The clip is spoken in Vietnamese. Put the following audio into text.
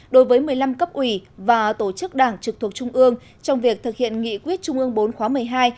đối với một mươi năm cấp ủy và tổ chức đảng trực thuộc trung ương trong việc thực hiện nghị quyết trung ương bốn khóa một mươi hai